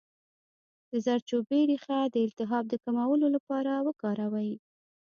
د زردچوبې ریښه د التهاب د کمولو لپاره وکاروئ